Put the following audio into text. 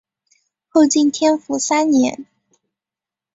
后晋天福三年。